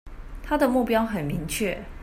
他的目標很明確